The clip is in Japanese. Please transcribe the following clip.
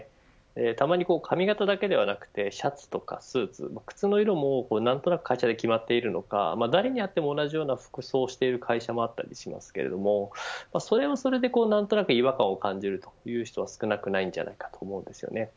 たまに髪型だけではなくシャツとかスーツ靴の色も何となく会社で決まっているのか誰に遭っても同じような服装をしている会社もあったりしますけれどそれはそれで何となく違和感を感じるという人も少なくないのではないかと思います。